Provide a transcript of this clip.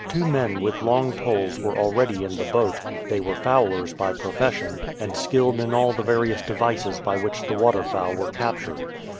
Two men with long poles were already in the boat; they were fowlers by profession, and skilled in all the various devices by which the waterfowl were captured.